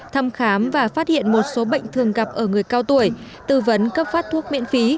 thăm khám và phát hiện một số bệnh thường gặp ở người cao tuổi tư vấn cấp phát thuốc miễn phí